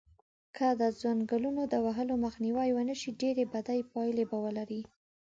که د ځنګلونو د وهلو مخنیوی و نشی ډیری بدی پایلی به ولری